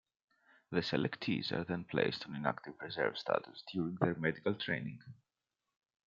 The selectees are then placed on inactive reserve status during their medical training.